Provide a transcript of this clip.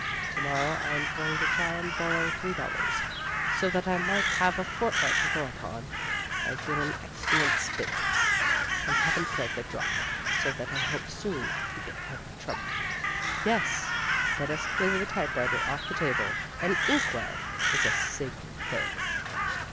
To morrow I am going to try and borrow three dollars, so that I may have a fortnight to go upon. I feel in excellent spirits, and haven't drank a drop so that I hope soon to get out of trouble. Yes, let us clear the typewriter off the table: an ink well is a sacred thing.